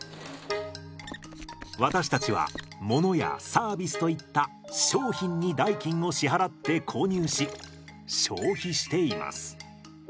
私たちはものやサービスといった商品に代金を支払って購入し消費しています。